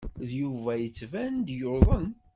Yuba yettban-d yuḍen.